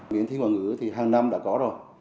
miễn thi ngoại ngữ thì hàng năm đã có rồi